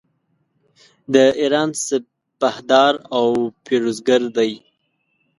د ایران سپهدار او پیروزګر دی.